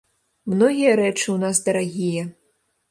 Многія рэчы ў нас дарагія.